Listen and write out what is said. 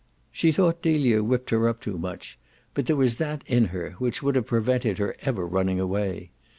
She thought Delia whipped her up too much, but there was that in her which would have prevented her ever running away.